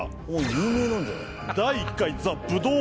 有名なんじゃない？